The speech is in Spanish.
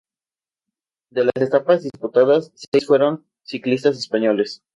De las etapas disputadas, seis fueron para ciclistas españoles.